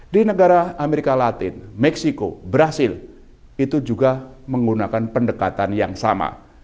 di negara amerika latin meksiko brazil itu juga menggunakan pendekatan yang sama